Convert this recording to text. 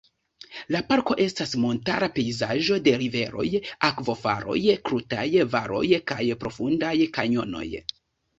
La parko estas montara pejzaĝo de riveroj, akvofaloj, krutaj valoj kaj profundaj kanjonoj.